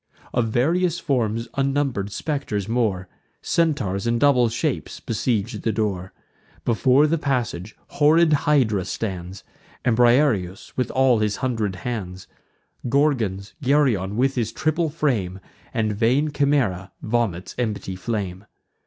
Of various forms unnumber'd spectres more, Centaurs, and double shapes, besiege the door. Before the passage, horrid Hydra stands, And Briareus with all his hundred hands; Gorgons, Geryon with his triple frame; And vain Chimaera vomits empty flame.